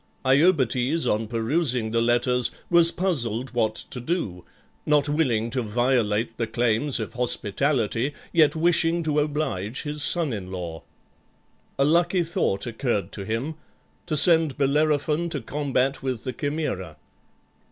Iobates, on perusing the letters, was puzzled what to do, not willing to violate the claims of hospitality, yet wishing to oblige his son in law. A lucky thought occurred to him, to send Bellerophon to combat with the Chimaera.